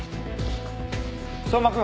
相馬君。